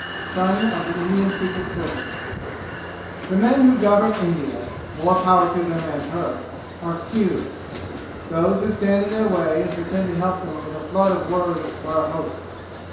Son of the Indian Secret Service The men who govern India more power to them and her! are few. Those who stand in their way and pretend to help them with a flood of words are a host.